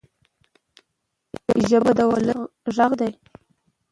ژبه د ولس ږغ دی.